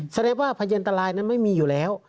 แสดงว่าพยันตรายนั้นไม่มีอยู่แล้ว